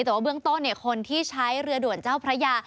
แต่ว่าเบื้องต้นคนที่ใช้เรือด่วนเจ้าพระยา